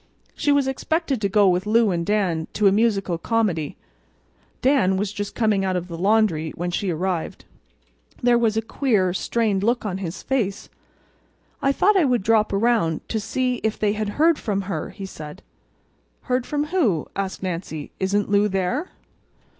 She was expected to go with Lou and Dan to a musical comedy. Dan was just coming out of the laundry when she arrived. There was a queer, strained look on his face. "I thought I would drop around to see if they had heard from her," he said. "Heard from who?" asked Nancy. "Isn't Lou there?"